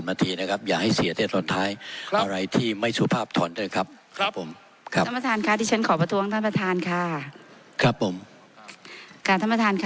ขอประท้วงครับขอประท้วงครับขอประท้วงครับขอประท้วงครับขอประท้วงครับขอประท้วงครับขอประท้วงครับขอประท้วงครับขอประท้วงครับขอประท้วงครับ